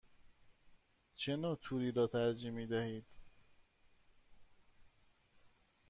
چه نوع توری را ترجیح می دهید؟